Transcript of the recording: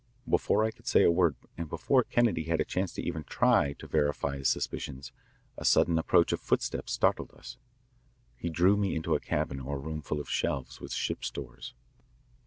Before I could say a word and before Kennedy had a chance even to try to verify his suspicions, a sudden approach of footsteps startled us. He drew me into a cabin or room full of shelves with ship's stores.